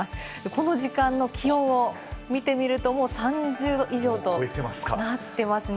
この時間の気温を見てみると、もう３０度以上となってますね。